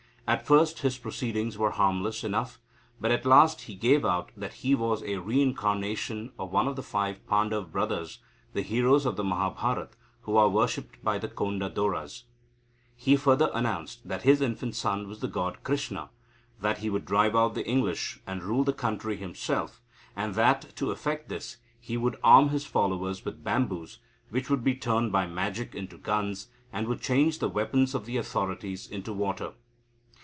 At first his proceedings were harmless enough, but at last he gave out that he was a reincarnation of one of the five Pandava brothers, the heroes of the Mahabharata, who are worshipped by the Konda Doras. He further announced that his infant son was the god Krishna; that he would drive out the English, and rule the country himself; and that, to effect this, he would arm his followers with bamboos, which would be turned by magic into guns, and would change the weapons of the authorities into water.